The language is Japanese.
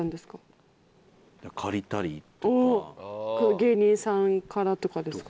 芸人さんからとかですか？